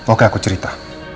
oke aku cerita